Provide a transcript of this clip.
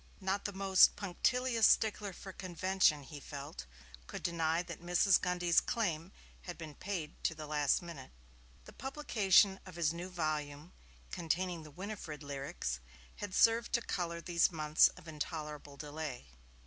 Not the most punctilious stickler for convention, he felt, could deny that Mrs. Grundy's claim had been paid to the last minute. The publication of his new volume containing the Winifred lyrics had served to colour these months of intolerable delay.